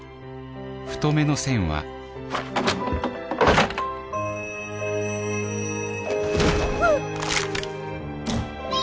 太めの線はうわっ！